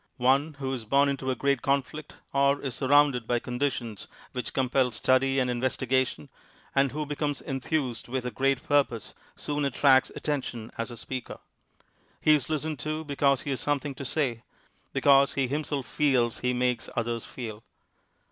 One who is born into a great conflict, or is surrounded by conditions which compel study and investigation, and who be comes enthused with a great purpose, soon at tracts attention as a speaker. He is listened to because he has something to say ; because he him ;elf feels he makes others feel.